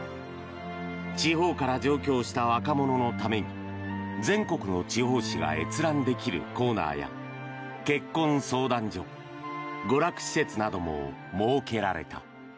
地方から上京した若者のために全国の地方紙が閲覧できるコーナーや結婚相談所、娯楽施設なども設けられた。